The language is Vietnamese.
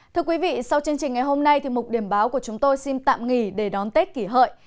thưa quý vị sau chương trình ngày hôm nay mục điểm báo của chúng tôi xin tạm nghỉ để đón tết kỷ hợi